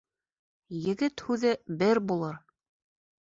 Егет һүҙе бер булыр.